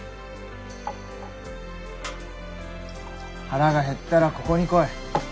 腹が減ったらここに来い。